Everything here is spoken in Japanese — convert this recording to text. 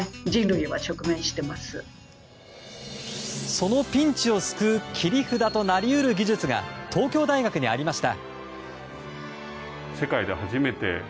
そのピンチを救う切り札となり得る技術が東京大学にありました。